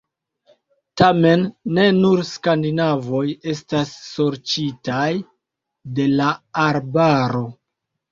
Tamen ne nur skandinavoj estas sorĉitaj de la arbaro.